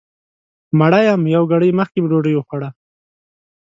مړه یم یو ګړی مخکې مې ډوډۍ وخوړله